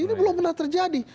ini belum pernah terjadi